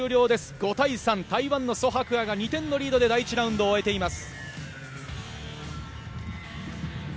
５対３、台湾のソ・ハクアが２点のリードで第１ラウンドを終えています。